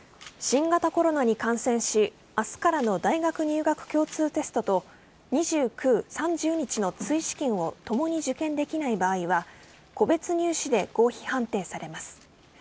新型コロナに感染し明日からの大学入学共通テストと２９、３０日の追試験をともに受験できない場合は個別入試で合否判定されます。